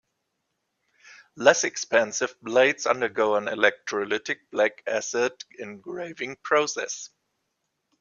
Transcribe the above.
Less expensive blades undergo an electrolytic black acid engraving process.